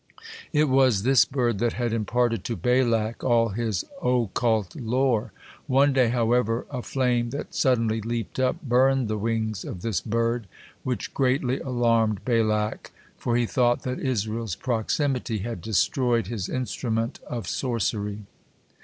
It was this bird that had imparted to Balak all his occult lore. One day, however, a flame that suddenly leaped up burned the wings of this bird, which greatly alarmed Balak, for he thought that Israel's proximity had destroyed his instrument of sorcery.